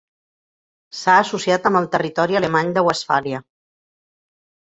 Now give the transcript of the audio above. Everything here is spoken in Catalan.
S'ha associat amb el territori alemany de Westfàlia.